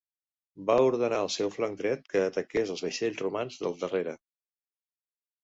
Va ordenar al seu flanc dret que ataqués els vaixells romans del darrere.